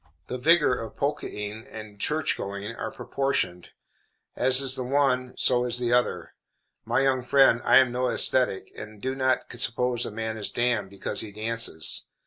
The vigor of polkaing and church going are proportioned; as is the one so is the other. My young friend, I am no ascetic, and do not suppose a man is damned because he dances.